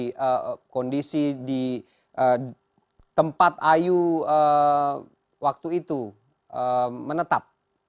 jadi kondisi di tempat ayu waktu itu menetap